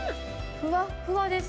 ふわふわです。